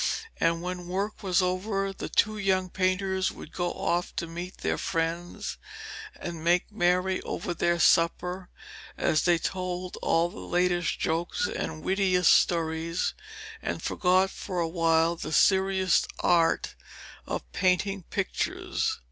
And when work was over, the two young painters would go off to meet their friends and make merry over their supper as they told all the latest jokes and wittiest stories, and forgot for a while the serious art of painting pictures.